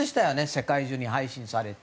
世界中に配信されて。